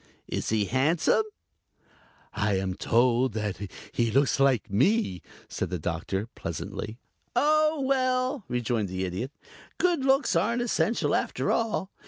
Is he handsome?" "I am told he looks like me," said the Doctor, pleasantly. "Oh, well," rejoined the Idiot, "good looks aren't essential after all.